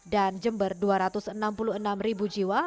dan jember dua ratus enam puluh enam jiwa